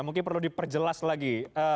mungkin perlu diperjelas lagi